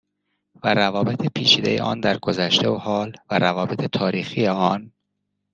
و روابط پیچیده آن در گذشته و حال و روابط تاریخی آن